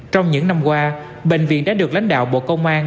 trong những năm qua bệnh viện đã được lãnh đạo bộ công an